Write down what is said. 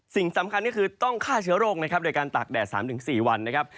สิ่งสำคัญก็คือต้องฆ่าเชื้อโรคนะครับโดยการตากแดด๓๔วันนะครับ